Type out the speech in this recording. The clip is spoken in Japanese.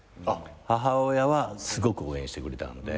母親はすごく応援してくれた。